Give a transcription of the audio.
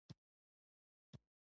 علي د کلي ټولې معاملې ورانې کړلې.